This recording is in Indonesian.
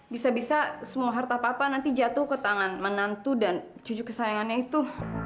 bisa bisa semua harta papa nanti jatuh ke tangan menantu dan cucu kesayangannya itu